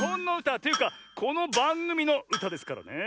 というかこのばんぐみのうたですからねえ。